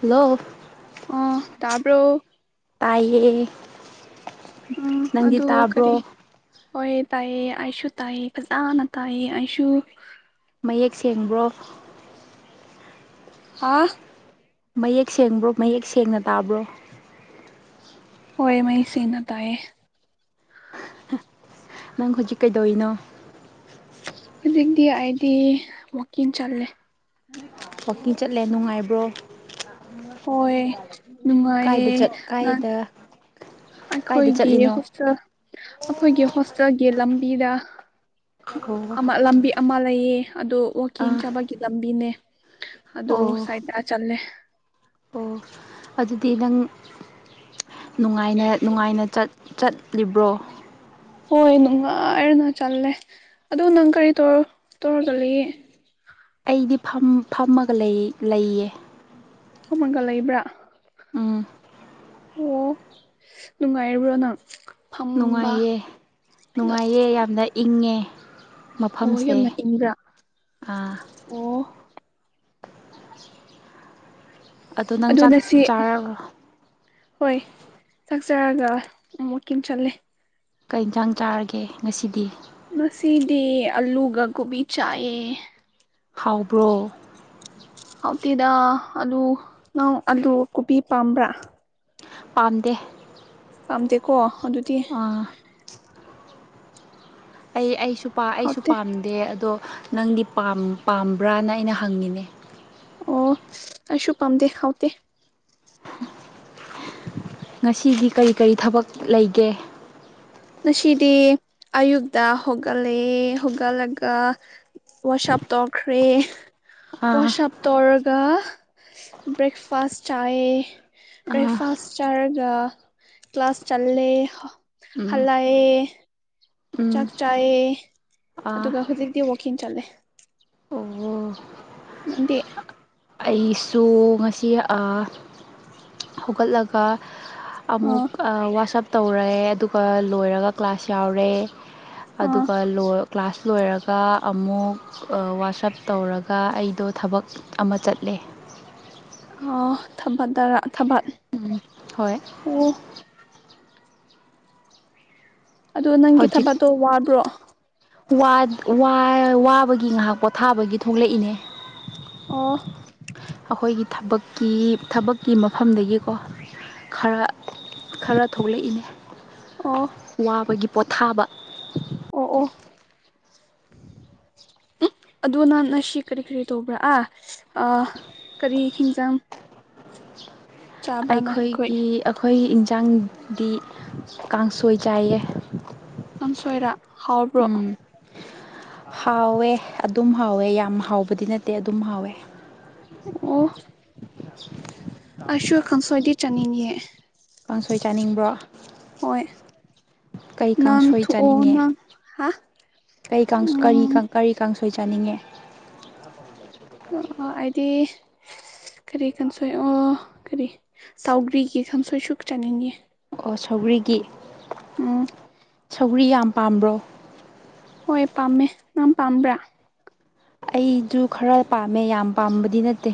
Hello ꯑꯣ ꯇꯥꯕꯔꯣ ꯇꯥꯏꯌꯦ ꯎꯝ ꯅꯪꯗꯤ ꯑꯗꯨ ꯇꯥꯕ꯭ꯔꯣ ꯀꯔꯤ ꯍꯣꯏ ꯇꯥꯏꯌꯦ ꯑꯩꯁꯨ ꯇꯥꯏꯌꯦ ꯐꯖꯅ ꯇꯥꯏ ꯑꯩꯁꯨ ꯃꯌꯦꯛ ꯁꯦꯡꯕ꯭ꯔꯣ ꯍꯥꯥ ꯃꯌꯦꯛ ꯁꯦꯡꯕ꯭ꯔꯣ ꯃꯌꯦꯛ ꯁꯦꯡꯅ ꯇꯥꯕ꯭ꯔꯣ ꯍꯣꯏ ꯃꯌꯦꯛ ꯁꯦꯡꯅꯥ ꯇꯥꯏꯌꯦ ꯅꯪ ꯍꯧꯖꯤꯛ ꯀꯩꯗꯧꯔꯤꯅꯣ ꯍꯧꯖꯤꯛꯇꯤ ꯍꯥꯏꯗꯤ ꯋꯥꯛꯀꯤꯡ ꯆꯠꯂꯦ ꯋꯥꯛꯀꯤꯡ ꯆꯠꯂꯦ ꯅꯨꯡꯉꯥꯏꯕ꯭ꯔꯣ ꯍꯣꯏ ꯀꯥꯏꯗ ꯅꯨꯡꯉꯥꯏꯌꯦ ꯆꯠ ꯅꯪ ꯀꯥꯏꯗ ꯀꯥꯏꯗ ꯑꯩꯈꯣꯏꯒꯤ ꯆꯠꯂꯤꯅꯣ ꯍꯣꯁꯇꯦꯜ ꯑꯩꯈꯣꯏꯒꯤ ꯍꯣꯁꯇꯦꯜꯒꯤ ꯂꯝꯕꯤꯗ ꯑꯣ ꯂꯝꯕꯤ ꯑꯃ ꯂꯩꯌꯦ ꯑꯗꯣ ꯋꯥꯛꯀꯤꯡ ꯑꯥ ꯆꯥꯕꯒꯤ ꯂꯝꯕꯤꯅꯦ ꯑꯗꯨ ꯑꯣ ꯁꯥꯏꯗ ꯆꯠꯂꯦ ꯑꯣ ꯑꯗꯨꯗꯤ ꯅꯪ ꯅꯨꯡꯉꯥꯏꯅ ꯅꯨꯡꯉꯥꯏꯅ ꯆꯠꯂꯤꯕ꯭ꯔꯣ ꯍꯣꯏ ꯅꯨꯡꯉꯥꯏꯔꯅ ꯆꯜꯂꯦ ꯑꯗ ꯅꯪ ꯀꯔꯤ ꯇꯧꯔꯒ ꯂꯩꯌꯦ ꯑꯩꯗꯤ ꯐꯝ ꯐꯝꯃꯒ ꯂꯩ ꯂꯩꯌꯦ ꯐꯝꯃꯒꯥ ꯂꯩꯕ꯭ꯔꯥ ꯎꯝ ꯑꯣ ꯅꯨꯡꯉꯥꯏꯔꯤꯕ꯭ꯔꯣ ꯅꯪ ꯐꯝꯕ ꯅꯨꯡꯉꯥꯏꯌꯦ ꯅꯨꯡꯉꯥꯏꯌꯦ ꯌꯥꯝꯅ ꯏꯪꯉꯦ ꯑꯣ ꯃꯐꯝꯁꯦ ꯌꯥꯝꯅ ꯏꯪꯕ꯭ꯔꯥ ꯑꯥ ꯑꯣ ꯑꯗꯣ ꯅꯪ ꯆꯥꯛ ꯑꯗꯨꯅ ꯁꯤ ꯆꯥꯔꯕꯣ ꯍꯣꯏ ꯆꯛꯆꯔꯒ ꯑꯃꯨꯛꯀꯤꯡ ꯆꯠꯂꯦ ꯀꯩ ꯏꯟꯇꯖꯥꯡ ꯆꯥꯔꯒꯦ ꯉꯁꯤꯗꯤ ꯉꯁꯤꯗꯤ ꯑꯂꯨꯒ ꯀꯣꯕꯤ ꯆꯥꯏꯑꯌꯦ ꯍꯥꯎꯕ꯭ꯔꯣ ꯍꯥꯎꯇꯤꯗ ꯑꯥꯂꯨ ꯅꯪ ꯑꯥꯂꯨ ꯀꯣꯕꯤ ꯄꯥꯝꯕ꯭ꯔꯥ ꯄꯥꯝꯗꯦ ꯄꯥꯝꯗꯦꯀꯣ ꯑꯗꯨꯗꯤ ꯑꯩ ꯑꯩꯁꯨ ꯍꯥꯎꯇꯦ ꯄꯥꯝ ꯗ ꯑꯗꯣ ꯅꯪꯗꯤ ꯄꯥꯝꯕ꯭ꯔꯥꯅ ꯑꯩꯅ ꯍꯪꯉꯤꯅꯦ ꯑꯣ ꯑꯩꯁꯨ ꯄꯥꯝꯗꯦ ꯍꯥꯎꯇꯦ ꯉꯁꯤꯗꯤ ꯀꯔꯤ ꯀꯔꯤ ꯊꯕꯛ ꯂꯩꯒꯦ ꯉꯁꯤꯗꯤ ꯑꯌꯨꯛꯇ ꯍꯧꯣꯒꯠꯂꯛꯑꯦ ꯍꯧꯒꯠꯂꯒ ꯋꯥꯁꯞ ꯇꯧꯈ꯭ꯔꯦ ꯑꯥ ꯋꯥꯁꯞ ꯇꯧꯔꯒ ꯕ꯭ꯔꯦꯛꯐꯥꯁ ꯆꯥꯌꯦ ꯑꯥ ꯕ꯭ꯔꯦꯛꯐꯥꯁ ꯆꯔꯒ ꯀ꯭ꯂ ꯀ꯭ꯂꯥꯁ ꯆꯜꯂꯦ ꯎꯝ ꯍꯥꯂꯥꯏ ꯎꯝ ꯆꯥꯛ ꯆꯥꯏꯌꯦ ꯑꯥ ꯑꯗꯨꯒ ꯍꯨꯖꯤꯛꯇꯤ ꯋꯥꯛꯀꯤꯡ ꯆꯠꯂꯦ ꯑꯣ ꯅꯪꯗꯤ ꯑꯩꯁꯨ ꯉꯁꯤ ꯑꯥ ꯍꯧꯒꯠꯂꯒ ꯑꯃꯨꯛ ꯑꯥ ꯋꯥꯁ ꯑꯞ ꯇꯧꯔꯦ ꯑꯗꯨꯒ ꯂꯣꯏꯔꯒ ꯀ꯭ꯂꯥꯁ ꯌꯥꯎꯔꯦ ꯑꯥ ꯑꯗꯨꯒ ꯂꯣ ꯀ꯭ꯂꯥꯁ ꯂꯣꯏꯔꯒ ꯑꯃꯨꯛ ꯋꯥꯁꯞ ꯇꯧꯔꯒ ꯑꯩꯗꯣ ꯊꯕꯛ ꯑꯃ ꯆꯠꯂꯦ ꯑ ꯊꯕ ꯗꯔꯥ ꯊꯕꯠ ꯍꯣꯏ ꯑꯣ ꯑꯗꯣ ꯅꯪꯒꯤ ꯊꯕꯠ ꯇꯣ ꯋꯥꯕ꯭ꯔꯣ ꯋꯥ ꯋꯥ ꯋꯥꯕꯒꯤ ꯉꯥꯏꯍꯥꯛ ꯄꯣꯊꯥꯕꯒꯤ ꯊꯣꯛꯂꯛꯏꯅꯦ ꯑꯣ ꯑꯩꯈꯣꯏꯒꯤ ꯊꯕꯛꯀꯤ ꯊꯕꯛꯀꯤ ꯃꯐꯝꯗꯒꯤꯀꯣ ꯈꯔ ꯈꯔ ꯊꯣꯛꯂꯛꯏꯅꯦ ꯑꯣ ꯋꯥꯕꯒꯤ ꯄꯣꯊꯥꯕ ꯑꯣ ꯑꯣ ꯑꯗꯣ ꯅ ꯅꯥꯁꯤ ꯀꯔꯤ ꯀꯔꯤ ꯇꯧꯕ꯭ꯔ ꯑꯥ ꯑ ꯀꯔꯤ ꯍꯤꯡꯖꯥꯡ ꯑꯩꯈꯣꯏ ꯑꯩꯈꯣꯏꯒꯤ ꯑꯩꯈꯣꯏ ꯏꯟꯖꯥꯡꯗꯤ ꯀꯥꯡꯁꯣꯏ ꯆꯥꯏꯌꯦ ꯀꯥꯡꯁꯣꯏꯔꯥ ꯍꯥꯎꯕ꯭ꯔꯣ ꯎꯝ ꯍꯥꯎꯋꯦ ꯑꯗꯨꯝ ꯍꯥꯎꯋꯦ ꯌꯥꯝ ꯍꯥꯎꯕꯗꯤ ꯅꯠꯇꯦ ꯑꯗꯨꯝ ꯍꯥꯎꯋꯦ ꯑꯣ [inaudible] ꯑꯩꯁꯨ ꯀꯥꯡꯁꯣꯏꯗꯤ ꯆꯠꯅꯤꯡꯉꯦ ꯀꯥꯡꯁꯣꯏ ꯆꯥꯅꯤꯡꯕ꯭ꯔꯣ ꯍꯣꯏ ꯀꯩ ꯅꯟ ꯀꯥꯡꯁꯣꯏ ꯊꯨꯛꯑꯣ ꯆꯥꯅꯤꯡꯉꯦ ꯅꯪ ꯍꯥ ꯀꯩ ꯀꯥꯡꯁ ꯀꯔꯤ ꯎꯝ ꯀꯔꯤ ꯀꯥꯡꯁꯣꯏ ꯆꯥꯅꯤꯡꯉꯦ ꯑ ꯍꯥꯏꯗꯤ ꯀꯔꯤ ꯀꯥꯡꯁꯣꯏ ꯑꯣ ꯀꯔꯤ ꯁꯥꯎꯒ꯭ꯔꯤꯒꯤ ꯀꯥꯡꯁꯣꯏ ꯁꯨꯛ ꯆꯥꯅꯤꯡ ꯉꯦ ꯑꯣ ꯁꯧꯒꯔꯤꯒꯤ ꯎꯝ ꯁꯧꯒꯔꯤ ꯌꯥꯝ ꯄꯥꯝꯕ꯭ꯔꯣ ꯍꯣꯏ ꯄꯥꯝꯃꯦ ꯅꯪ ꯄꯥꯝꯕ꯭ꯔꯥ ꯑꯩꯖꯨ ꯈꯔ ꯄꯥꯝꯃꯦ ꯌꯥꯝ ꯄꯥꯝꯕꯗꯤ ꯅꯠꯇꯦ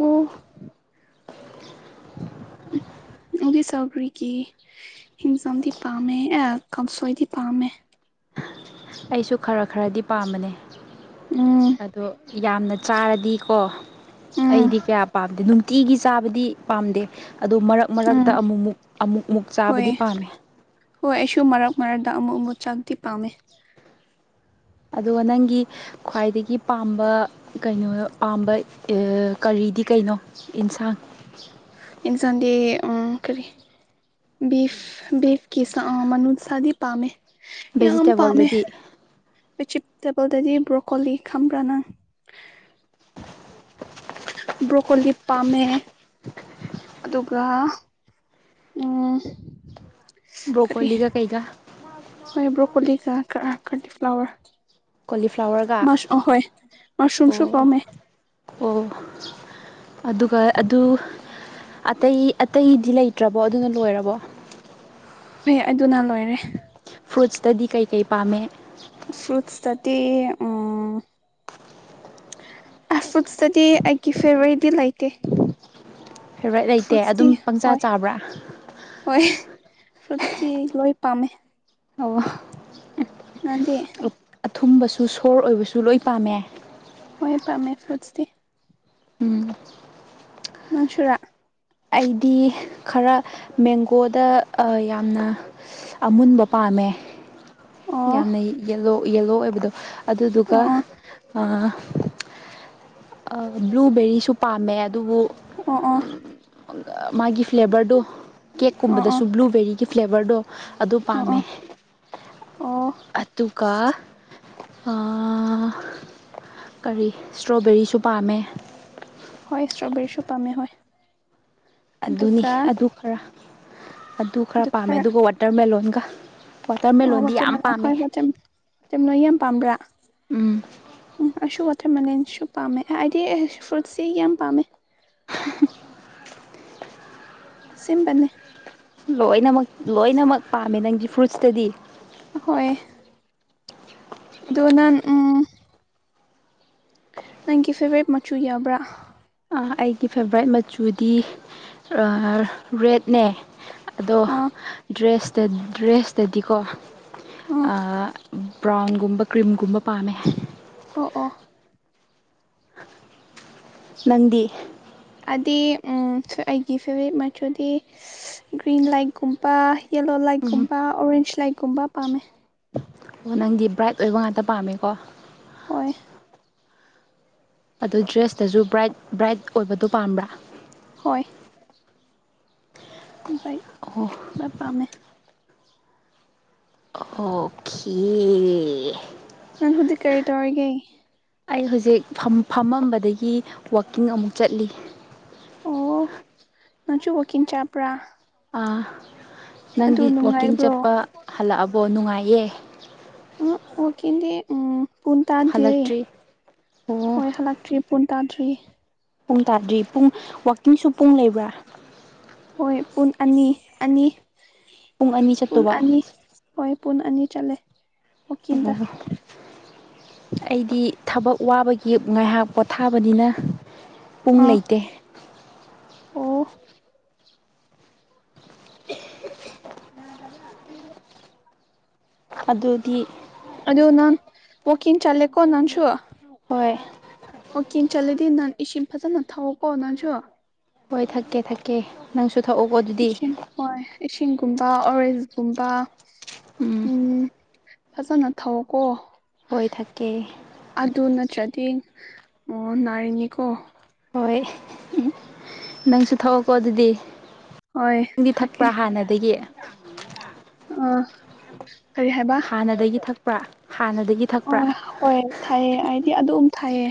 ꯑꯣ [inaudible] ꯆꯧꯒ꯭ꯔꯤꯒꯤ ꯍꯤꯡꯖꯝꯗꯤ ꯄꯥꯝꯃꯦ ꯑꯦ ꯀꯥꯡꯁꯣꯏꯗꯤ ꯄꯥꯝꯃꯦ ꯑꯩꯁꯨ ꯈꯔ ꯈꯔꯗꯤ ꯄꯥꯝꯕꯅꯦ ꯑ ꯎꯝ ꯑꯗꯣ ꯌꯥꯝꯅ ꯆꯥꯔꯗꯤꯀꯣ ꯎꯝ ꯑꯩꯗꯤ ꯀꯌꯥ ꯄꯥꯝꯗꯦ ꯅꯨꯡꯇꯤꯒꯤ ꯆꯥꯕꯗꯤ ꯄꯥꯝꯗꯦ ꯑꯗꯨ ꯃꯔꯛ ꯃꯔꯛꯇ ꯎꯝ ꯑꯃꯨꯃꯨꯛ ꯑꯃꯨꯛ ꯃꯨꯛ ꯍꯣꯏ ꯆꯥꯕꯗꯤ ꯄꯥꯝꯃꯦ ꯍꯣꯏ ꯑꯩꯁꯨ ꯃꯔꯛ ꯃꯔꯛꯇ ꯑꯃꯨꯛ ꯑꯃꯨꯛ ꯆꯥꯛꯇꯤ ꯄꯥꯝꯃꯦ ꯑꯗꯨꯒ ꯅꯪꯒꯤ ꯈ꯭ꯋꯥꯏꯗꯒꯤ ꯄꯥꯝꯕ ꯀꯩꯅꯣ ꯄꯥꯝꯕ ꯀꯔꯤꯗꯤ ꯀꯩꯅꯣ ꯏꯟꯁꯥꯡ ꯑꯦꯟ ꯁꯟꯗꯤ ꯑ ꯀꯔꯤ ꯕꯤꯐ ꯕꯤꯐ ꯀꯤ ꯁꯥ ꯃꯅꯨꯡꯁꯥꯗꯤ ꯄꯥꯝꯃꯦ ꯌꯥꯝ ꯄꯥꯝꯃꯦ ꯚꯦꯖꯤꯇꯦꯕꯜꯗꯗꯤ ꯕꯤꯆꯤꯞ ꯇꯦꯕꯜꯗꯗꯤ ꯕ꯭ꯔꯣꯀꯣꯂꯤ ꯈꯝꯕ꯭ꯔꯥꯅꯪ ꯕ꯭ꯔꯣꯀꯣꯂꯤ ꯄꯝꯃꯦ ꯑꯗꯨꯒ ꯎꯝ ꯀꯔꯤ ꯕ꯭ꯔꯣꯀꯣꯂꯤꯒ ꯀꯩꯒ ꯍꯣꯏ ꯕ꯭ꯔꯣꯀꯣꯂꯤꯒ ꯀꯤ ꯀ꯭ꯔ ꯀ꯭ꯔꯂꯤꯐ꯭ꯂꯥꯋꯔ ꯀꯣꯂꯤꯐ꯭ꯂꯥꯋꯔꯒ ꯃꯁꯔꯨꯝꯁꯨ ꯑꯣ ꯄꯥꯝꯃꯦ ꯑꯣ ꯑꯗꯨꯒ ꯑꯗꯨ ꯑꯇꯩ ꯑꯇꯩꯗꯤ ꯂꯩꯇ꯭ꯔꯕꯣ ꯑꯗꯨꯅ ꯂꯣꯏꯔꯕꯣ ꯍꯣꯏ ꯑꯗꯨꯅ ꯂꯣꯏꯔꯦ ꯐ꯭ꯔꯨꯠꯁꯇꯗꯤ ꯀꯩ ꯀꯩ ꯄꯥꯝꯃꯦ ꯐ꯭ꯔꯨꯠꯁꯇꯗꯤ ꯎꯝ ꯑꯁ ꯐꯠꯁꯇꯗꯤ ꯑꯩꯒꯤ ꯐꯦꯕ꯭ꯔꯥꯏꯠꯇꯤ ꯂꯩꯇꯦ ꯐꯦꯕꯥ꯭ꯔꯏꯠ ꯂꯩꯇꯦ ꯐ꯭ꯔꯨꯠꯁꯇꯤ ꯑꯗꯨꯝ ꯄꯪꯆꯥ ꯍꯣꯏ ꯆꯥꯕ꯭ꯔꯥ ꯍꯣꯏ ꯐ꯭ꯔꯨꯠꯁꯇꯤ ꯂꯣꯏ ꯄꯥꯝꯃꯦ ꯑꯣ ꯅꯪꯗꯤ ꯑꯊꯨꯝꯕꯁꯨ ꯁꯣꯔ ꯑꯣꯏꯕꯁꯨ ꯂꯣꯏ ꯄꯥꯝꯃꯦ ꯍꯣꯏ ꯄꯥꯝꯃꯦ ꯐ꯭ꯔꯨꯠꯁꯇꯤ ꯎꯝ ꯅꯪꯁꯨꯔꯥ ꯑꯩꯗꯤ ꯈꯔ ꯃꯦꯡꯒꯣꯗ ꯑꯥ ꯌꯥꯝꯅ ꯑꯃꯨꯟꯕ ꯄꯥꯝꯃꯦ ꯑꯣ ꯌꯥꯝꯅ ꯌꯦꯂꯣ ꯌꯦꯜꯂꯣ ꯑꯣꯏꯕꯗꯣ ꯑꯗꯨꯗꯨꯒ ꯑꯣ ꯑꯥ ꯕ꯭ꯂꯨꯕꯦꯔꯤꯁꯨ ꯄꯥꯝꯃꯦ ꯑꯗꯨꯕꯨ ꯑꯣ ꯑꯣ ꯃꯥꯒꯤ ꯐ꯭ꯂꯦꯕꯔꯗꯣ ꯑꯣ ꯀꯦꯛꯀꯨꯝꯕꯗꯁꯨ ꯕ꯭ꯂꯨꯕꯦꯔꯤꯒꯤ ꯐ꯭ꯂꯦꯕꯔꯗꯣ ꯑꯗꯨ ꯑꯣ ꯑꯣ ꯄꯥꯝꯃꯦ ꯑꯣ ꯑꯣ ꯑꯗꯨꯒ ꯑꯥ ꯀꯔꯤ ꯏꯁꯇ꯭ꯔꯣꯕꯦꯔꯤꯁꯨ ꯄꯥꯝꯃꯦ ꯍꯣꯏ ꯏꯁꯇ꯭ꯔꯣꯕꯦꯔꯤꯁꯨ ꯄꯥꯝꯃꯦ ꯍꯣꯏ ꯑꯗꯨꯅꯤ ꯑꯗꯨꯒ ꯑꯗꯨ ꯈꯔ ꯑꯗꯨ ꯈꯔ ꯄꯥꯝꯃꯦ ꯑꯗꯨꯒ ꯋꯥꯇꯔꯃꯦꯂꯣꯟꯒ ꯋꯥꯇꯔꯃꯦꯂꯣꯟꯗꯤ ꯌꯥꯝ ꯄꯥꯝꯃꯦ [unintelligible] ꯅꯣꯏ ꯌꯥꯝ ꯄꯥꯝꯕ꯭ꯔꯥ ꯎꯝ ꯎꯝ ꯑꯩꯁꯨ ꯋꯥꯇꯔꯃꯦꯂꯟꯁꯨ ꯄꯥꯝꯃꯦ ꯑꯩꯗꯤ ꯐ꯭ꯔꯨꯠꯁꯦ ꯌꯥꯝ ꯄꯥꯝꯃꯦ [unintelligible] ꯑꯁꯦꯝꯕꯅꯦ ꯂꯣꯏꯅꯃꯛ ꯂꯣꯏꯅꯃꯛ ꯄꯥꯝꯃꯦ ꯅꯪꯒꯤ ꯐ꯭ꯔꯨꯏꯠꯁꯇꯗꯤ ꯍꯣꯏ ꯑꯗꯣ ꯅꯪ ꯎꯝ ꯅꯪꯒꯤ ꯐꯦꯕꯣꯔꯥꯏꯠ ꯃꯆꯨ ꯌꯥꯕ꯭ꯔꯥ ꯑꯩꯒꯤ ꯐꯦꯕ꯭ꯔꯥꯏꯠ ꯃꯆꯨꯗꯤ ꯔꯦꯠꯅꯦ ꯑꯗꯣ ꯑꯣ ꯗ꯭ꯔꯦꯁꯇ ꯗ꯭ꯔꯦꯁꯇꯗꯤꯀꯣ ꯑ ꯑꯥ ꯕ꯭ꯔꯥꯎꯟꯒꯨꯝꯕ ꯀ꯭ꯔꯤꯝꯒꯨꯝꯕ ꯄꯥꯝꯃꯦ ꯑꯣ ꯑꯣ ꯅꯪꯗꯤ ꯑꯗꯤ ꯎꯝ ꯑꯩꯒꯤ ꯐꯦꯕ꯭ꯔꯥꯠ ꯃꯆꯨꯗꯤ ꯒ꯭ꯔꯤꯟ ꯂꯥꯏꯛꯒꯨꯝꯄ ꯌꯦꯂꯣ ꯂꯥꯏꯛꯀꯨꯝꯕ ꯑꯣꯔꯦꯟꯖ ꯂꯥꯏꯠꯀꯨꯝꯕ ꯄꯥꯝꯃꯦ ꯑꯣ ꯅꯪꯗꯤ ꯕ꯭ꯔꯥꯏꯠ ꯑꯣꯏꯕ ꯉꯥꯛꯇ ꯄꯥꯝꯃꯦꯀꯣ ꯍꯣꯏ ꯑꯗꯨ ꯗ꯭ꯔꯦꯁꯇꯁꯨ ꯕ꯭ꯔꯥꯏꯠ ꯕ꯭ꯔꯥꯏꯠ ꯑꯣꯏꯕꯗꯣ ꯄꯥꯝꯕ꯭ꯔꯥ ꯍꯣꯏ ꯕꯥꯏꯛ ꯑꯣ ꯄꯥꯝꯃꯦ ꯑꯣꯈꯦ ꯅꯪ ꯍꯧꯖꯤꯛ ꯀꯔꯤ ꯇꯧꯔꯤꯒꯦ ꯑꯩ ꯍꯧꯖꯤꯛ ꯐꯝ ꯐꯝꯃꯝꯕꯗꯒꯤ ꯋꯥꯀꯤꯡ ꯑꯃꯨꯛ ꯆꯠꯂꯤ ꯑꯣ ꯅꯪꯁꯨ ꯋꯥꯛꯀꯤꯡ ꯆꯥꯄ꯭ꯔꯥ ꯑꯥ ꯅꯪꯗꯤ ꯋꯥꯛꯀꯤꯡ ꯅꯨꯡꯉꯥꯏꯕ꯭ꯔꯣ ꯆꯠꯄ ꯍꯜꯂꯛꯑꯕꯣ ꯅꯨꯡꯉꯥꯏꯌꯦ ꯎꯨꯡ ꯋꯥꯀꯤꯡꯗꯤ ꯎꯝ ꯄꯨꯟ ꯇꯥꯗꯤꯔꯦ ꯍꯜꯂꯛꯇ꯭ꯔꯤ ꯑꯣ ꯍꯣꯏ ꯍꯂꯛꯇ꯭ꯔꯤ ꯄꯨꯟꯇꯥꯥꯗ꯭ꯔꯤꯌꯦ ꯄꯨꯡ ꯇꯥꯗ꯭ꯔꯤ ꯄꯨꯡ ꯋꯥꯛꯀꯤꯡꯁꯨ ꯄꯨꯡ ꯂꯩꯕ꯭ꯔꯥ ꯍꯣꯏ ꯄꯨꯟ ꯑꯅꯤ ꯑꯅꯤ ꯄꯨꯡ ꯑꯅꯤ ꯄꯨꯟ ꯆꯠꯇꯧꯕ ꯑꯅꯤ ꯍꯣꯏ ꯄꯨꯟ ꯑꯅꯤ ꯆꯠꯂꯦ ꯋꯥꯛꯀꯤꯡꯗ ꯑꯣ ꯑꯩꯗꯤ ꯊꯕꯛ ꯋꯥꯕꯒꯤ ꯉꯥꯏꯍꯥꯛ ꯄꯣꯊꯥꯕꯅꯤꯅ ꯄꯨꯡ ꯑꯥ ꯂꯩꯇꯦ ꯑꯣ [unintelligible] ꯃꯤꯒ ꯑꯗꯨꯗꯤ ꯑꯗꯨ ꯅꯪ ꯋꯥꯀꯤꯡ ꯆꯠꯂꯦꯀꯣ ꯅꯟꯁꯨꯨ ꯍꯣꯏ ꯋꯥꯀꯤꯡ ꯆꯠꯂꯗꯤ ꯅꯟ ꯏꯁꯤꯡ ꯐꯖꯅ ꯊꯛꯑꯣꯀꯣ ꯅꯟꯁꯨ ꯍꯣꯏ ꯊꯛꯀꯦ ꯊꯛꯀꯦ ꯅꯪꯁꯨ ꯊꯛꯑꯣꯀꯣ ꯑꯗꯨꯗꯤ ꯏꯁꯤꯡ ꯍꯣꯏ ꯏꯁꯤꯡꯒꯨꯝꯕ ꯑꯣꯔꯦꯟꯖꯀꯨꯝꯕ ꯎꯝ ꯐꯖꯅ ꯊꯧꯀꯣ ꯍꯣꯏ ꯊꯛꯀꯦ ꯑꯗꯨ ꯅꯠꯇ꯭ꯔꯗꯤ ꯑꯣ ꯅꯥꯔꯤꯅꯤꯀꯣ ꯍꯣꯏ ꯅꯪꯁꯨ ꯊꯛꯑꯣꯀꯣ ꯑꯗꯨꯗꯤ ꯅꯪꯗꯤ ꯊꯛꯄ꯭ꯔꯥ ꯍꯥꯟꯅꯗꯒꯤ ꯑ ꯍꯥꯟꯅꯗꯒꯤ ꯊꯛꯄ꯭ꯔꯥ ꯍꯥꯟꯅꯗꯒꯤ ꯑꯣ ꯊꯛꯄ꯭ꯔꯥ ꯍꯣꯏ ꯊꯑꯦ ꯍꯥꯏꯗꯤ ꯑꯗꯨꯝ ꯊꯑꯦ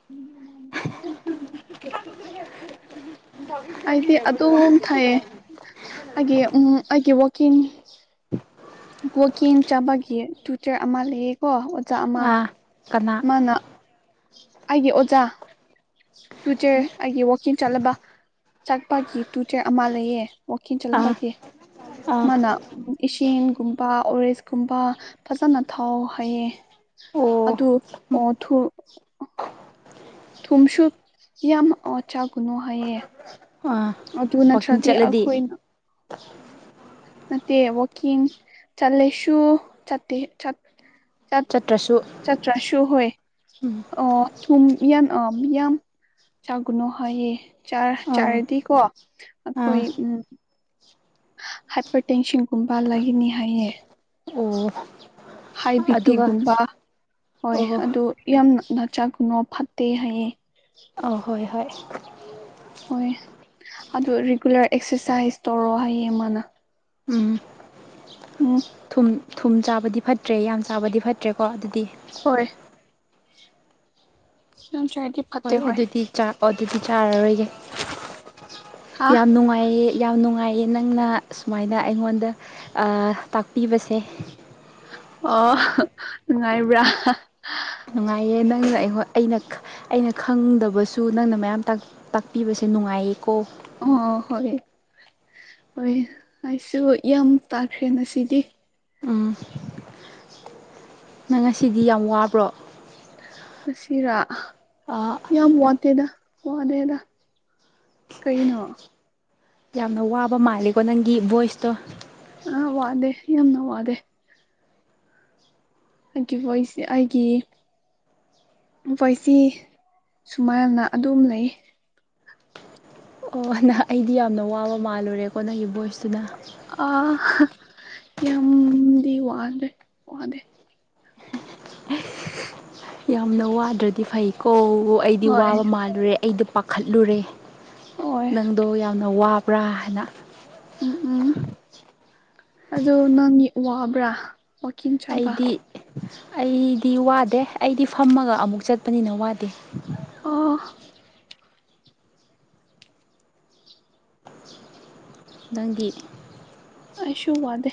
[unintelligible] ꯋꯥꯀꯤꯡ ꯑꯩꯗꯤ ꯆꯠꯂꯤꯅꯦ ꯑꯈꯣꯏꯁꯨ ꯑꯗꯨꯝ ꯋꯥꯀꯤꯡ ꯆꯠ ꯊꯥꯏꯌꯦ ꯑꯩꯒꯤ [unintelligible] ꯎꯝ ꯑꯩꯒꯤ ꯋꯥꯀꯤꯡ ꯀꯣꯀꯤꯡ ꯆꯥꯕꯒꯤ ꯇꯨꯆꯔ ꯑꯃ ꯂꯩꯌꯦꯀꯣ ꯑꯣꯖꯥ ꯑꯃ ꯑꯥ ꯀꯅꯥ ꯃꯥꯅ ꯑꯩꯒꯤ ꯑꯣꯖꯥ ꯇꯨꯆꯦ ꯑꯩꯒꯤ ꯋꯥꯀꯤꯡ ꯆꯠꯂꯕ ꯆꯥꯛꯄꯒꯤ ꯇꯨꯆꯦ ꯑꯃ ꯂꯩꯌꯦ ꯋꯥꯀꯤꯡ ꯑꯥ ꯆꯠꯂꯕꯀꯤ ꯑꯥ ꯃꯥꯅ ꯏꯁꯤꯡꯒꯨꯝꯕ ꯑꯣꯔꯦꯖꯀꯨꯝꯕ ꯐꯖꯅ ꯊꯛꯑꯣ ꯍꯥꯏꯌꯦ ꯑꯣ ꯑꯗꯨ ꯑꯣꯊꯨ ꯊꯨꯝꯁꯨ ꯌꯥꯝ ꯑꯣ ꯆꯥꯒꯅꯨ ꯍꯥꯏꯌꯦ ꯑꯥ ꯑꯗꯨ ꯋꯥꯛꯀꯤꯡ ꯅꯠꯇ꯭ꯔꯗꯤ ꯆꯠꯂꯗꯤ ꯑꯈꯣꯏꯅ ꯅꯠꯇꯦ ꯋꯥꯛꯀꯤꯡ ꯆꯠꯂꯦꯁꯨ ꯆꯠꯇꯦ ꯆꯠ ꯆꯠꯇ꯭ꯔꯁꯨ ꯆꯥꯇ꯭ꯔꯥꯁꯨ ꯍꯣꯏ ꯎꯝ ꯑꫭ ꯊꯨꯝꯕꯤꯑꯟ ꯑꯄꯌꯥꯝ ꯆꯥꯒꯨꯅꯨ ꯍꯥꯏꯌꯦ ꯆꯥꯔ ꯑꯥ ꯆꯥꯔꯗꯤꯀꯣ ꯑꯥ ꯑꯩꯈꯣꯏ ꯎꯝ ꯍꯥꯏꯄꯔ ꯇꯦꯟꯁꯟꯒꯨꯝꯕ ꯔꯩꯒꯅꯤ ꯍꯥꯏꯌꯦ ꯑꯣ ꯍꯥꯏ ꯕꯤ ꯑꯗꯨꯒ ꯄꯤꯒꯨꯝꯕ ꯍꯣꯏ ꯑꯣ ꯑꯗꯨ ꯌꯥꯝꯅ ꯅ ꯆꯥꯛꯀꯨꯅꯣ ꯐꯠꯇꯦ ꯍꯥꯏꯌꯦ ꯑꯧ ꯍꯣꯏ ꯍꯣꯏ ꯍꯣꯏ ꯑꯗꯨ ꯔꯤꯒꯨꯂꯔ ꯑꯦꯛꯁꯔꯁꯥꯏꯁ ꯇꯧꯔꯣ ꯍꯥꯏꯌꯦ ꯃꯥꯅ ꯎꯝ ꯎꯝ ꯊꯨꯝ ꯊꯨꯝ ꯆꯥꯕꯗꯤ ꯐꯠꯇ꯭ꯔꯦ ꯌꯥꯝ ꯆꯥꯕꯗꯤ ꯐꯠꯇ꯭ꯔꯦꯀꯣ ꯑꯗꯨꯗꯤ ꯍꯣꯏ ꯌꯥꯝ ꯆꯥꯔꯗꯤ ꯍꯣꯏ ꯑꯗꯨꯗꯤ ꯑꯗꯨꯗꯤ ꯆꯥꯔꯔꯣꯏꯒꯦ ꯍꯥ ꯌꯥꯝ ꯅꯨꯡꯉꯥꯏꯌꯦ ꯌꯥꯝ ꯅꯨꯡꯉꯥꯏꯌꯦ ꯅꯪꯅ ꯁꯨꯃꯥꯏꯅ ꯑꯩꯉꯣꯟꯗ ꯑꯥ ꯇꯥꯛꯄꯤꯕꯁꯦ ꯑꯣ ꯅꯨꯡꯉꯥꯏꯕ꯭ꯔꯥ ꯅꯨꯡꯉꯥꯏꯌꯦ ꯅꯪꯅ ꯑꯩ ꯑꯩꯅ ꯑꯩꯅ ꯈꯪꯗꯕꯁꯨ ꯅꯪꯅ ꯃꯌꯥꯝ ꯇꯥꯛ ꯇꯥꯛꯄꯤꯕꯁꯦ ꯅꯨꯡꯉꯥꯏꯌꯦꯀꯣ ꯑꯣ ꯍꯣꯏ ꯍꯣꯏ ꯑꯩꯁꯨ ꯌꯥꯝ ꯇꯥꯈ꯭ꯔꯦ ꯉꯁꯤꯗꯤ ꯎꯝ ꯅꯪ ꯉꯁꯤꯗꯤ ꯌꯥꯝ ꯋꯥꯕ꯭ꯔꯣ ꯃꯁꯤ ꯔꯥ ꯑꯥ ꯌꯥꯝ ꯋꯥ ꯗ°ꯗ ꯋꯥꯗꯦꯗ ꯀꯩꯅꯣ ꯌꯥꯝꯅ ꯋꯥꯕ ꯃꯥꯂꯦꯀꯣ ꯅꯪꯒꯤ ꯚꯣꯏꯁꯇꯣ ꯑꯥ ꯋꯥꯗꯦ ꯌꯥꯝꯅ ꯋꯥꯗꯦ ꯑꯩꯒꯤ ꯕꯣꯏꯁ ꯑꯩꯒꯤ ꯄꯣꯏꯆꯤ ꯁꯨꯃꯥꯏꯜꯅ ꯑꯗꯨꯝ ꯂꯩꯌꯦ ꯑꯣ ꯅ ꯑꯩꯗꯤ ꯌꯥꯝꯅ ꯋꯥꯕ ꯃꯥꯜꯂꯨꯔꯦꯀꯣ ꯅꯪꯒꯤ ꯚꯣꯏꯁꯇꯨꯅ ꯑꯥ ꯌꯥꯝꯗꯤ ꯋꯥꯗꯦ ꯋꯥꯗꯦ ꯌꯥꯝꯅ ꯋꯥꯗ꯭ꯔꯗꯤ ꯐꯩꯀꯣ ꯑꯩꯗꯤ ꯍꯣꯏ ꯋꯥꯕ ꯃꯥꯜꯂꯨꯔꯦ ꯑꯩꯗꯤ ꯄꯥꯈꯠꯂꯨꯔꯦ ꯍꯣꯏ ꯅꯪꯗꯣ ꯌꯥꯝꯅ ꯋꯥꯕ꯭ꯔꯥ ꯍꯥꯏꯅ ꯎꯝ ꯎꯝ ꯑꯗꯣ ꯅꯪꯒꯤ ꯋꯕ꯭ꯔꯥ ꯑꯩꯗꯤ ꯑꯩꯗꯤ ꯋꯥꯗꯦ ꯑꯩꯗꯤ ꯐꯝꯃꯒ ꯑꯃꯨꯛ ꯆꯠꯄꯅꯤꯅ ꯋꯥꯗꯦ꯫ ꯑꯣ ꯅꯪꯗꯤ ꯑꯩꯁꯨ ꯋꯥꯗꯦ꯫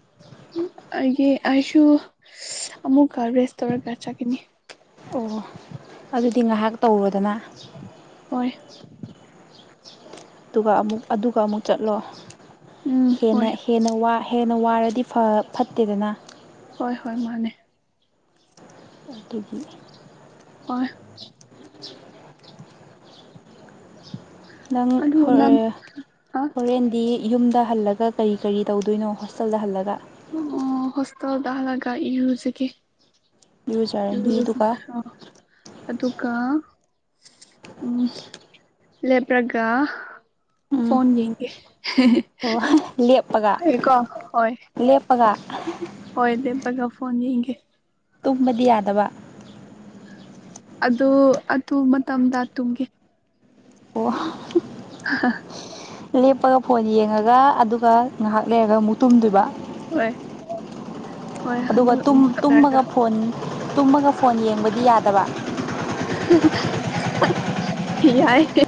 [inaudible] [inaudible] ꯑꯩꯒꯤ ꯑꯩꯁꯨ ꯑꯃꯨꯛꯀ ꯔꯦꯁꯇꯔꯒ ꯆꯠꯀꯅꯤ꯫ ꯑꯣ ꯑꯗꯨꯗꯤ ꯉꯥꯏꯍꯥꯛ ꯇꯧꯔꯣꯗꯅ꯫ ꯍꯣꯏ ꯑꯗꯨꯒ ꯑꯃꯨꯛ ꯑꯗꯨꯒ ꯑꯃꯨꯛ ꯆꯠꯂꯣ꯫ ꯎꯝ ꯍꯦꯟꯅ ꯍꯣꯏ ꯍꯦꯟꯅ ꯋꯥ ꯍꯦꯟꯅ ꯋꯥꯔꯗꯤ ꯐꯠ ꯐꯠꯇꯦꯗꯅ꯫ ꯍꯣꯏ ꯍꯣꯏ ꯃꯥꯅꯦ꯫ ꯑꯗꯨꯒꯤ ꯍꯣꯏ ꯅꯪ ꯑꯗꯨ ꯅꯪ ꯐꯑꯣꯏꯔ ꯑ ꯍꯣꯔꯦꯟꯗꯤ ꯌꯨꯝꯗ ꯍꯜꯂꯒ ꯀꯔꯤ ꯀꯔꯤ ꯇꯧꯗꯣꯏꯅꯣ ꯍꯣꯁꯇꯦꯜꯗ ꯍꯜꯂꯒ꯫ ꯑꯣ ꯑꯣ ꯍꯣꯁꯇꯦꯜꯗ ꯍꯜꯂꯒ ꯏꯔꯨꯖꯒꯦ꯫ ꯏꯔꯨꯖꯔꯅꯤ ꯑꯗꯨꯒ ꯏꯔꯨꯖꯔꯒ ꯑꯗꯨꯒ ꯎꯝ ꯂꯦꯞꯔꯒ ꯎꯝ ꯐꯣꯟ ꯌꯦꯡꯒꯦ꯫ ꯑꯣ ꯂꯦꯞꯄꯒ ꯐꯩꯌꯦꯀꯣ ꯍꯣꯏ ꯂꯦꯞꯄꯒ ꯍꯣꯏ ꯂꯦꯞꯄꯒ ꯐꯣꯟ ꯌꯦꯡꯒꯦ꯫ ꯇꯨꯝꯕꯗꯤ ꯌꯥꯗꯕ꯫ ꯑꯗꯨ ꯑꯗꯨ ꯃꯇꯝꯗ ꯇꯨꯝꯒꯦ꯫ ꯑꯣ꯫ ꯍꯥ꯫ ꯂꯦꯞꯄꯒ ꯐꯣꯟ ꯌꯦꯡꯉꯒ ꯑꯗꯨꯒ ꯉꯥꯏꯍꯥꯛ ꯂꯩꯔꯒ ꯃꯨꯛ ꯇꯨꯝꯗꯣꯏꯕ꯫ ꯍꯣꯏ꯫ ꯍꯣꯏ ꯑꯗꯨꯒ ꯑꯗꯨ ꯇꯨꯝ ꯍꯣꯠꯅꯔꯒ ꯇꯨꯝꯃꯒ ꯐꯣꯟ ꯇꯨꯝꯃꯒ ꯐꯣꯟ ꯌꯦꯡꯕꯗꯤ ꯌꯥꯗꯕ꯫ ꯍꯥꯍꯥ ꯌꯥꯏ